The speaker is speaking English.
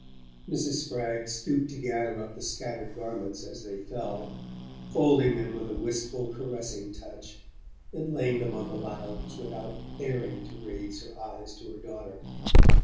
Mrs. Spragg stooped to gather up the scattered garments as they fell, folding them with a wistful caressing touch, and laying them on the lounge, without daring to raise her eyes to her daughter.